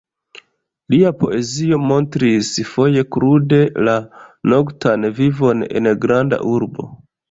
Lia poezio montris, foje krude, la noktan vivon en granda urbo.